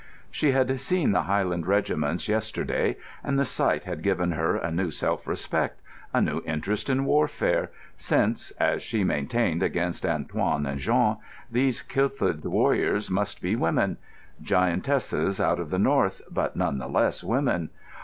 She had seen the Highland regiments yesterday, and the sight had given her a new self respect, a new interest in warfare; since (as she maintained against Antoine and Jean) these kilted warriors must be women; giantesses out of the North, but none the less women.